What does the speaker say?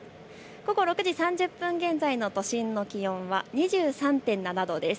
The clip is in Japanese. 午後６時３０分現在の都心の気温は２３．７度です。